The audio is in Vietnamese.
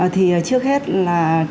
thì trước hết là